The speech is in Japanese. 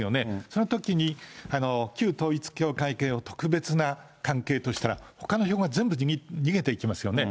そのときに、旧統一教会系を特別な関係としたら、ほかの票が全部逃げていきますよね。